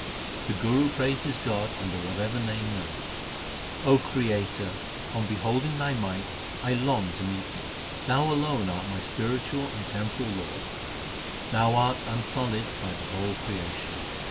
The Guru praises God under whatever name known : O Creator, on beholding Thy might I long to meet Thee. Thou alone art my spiritual and temporal Lord ; Thou art unsullied by the whole creation.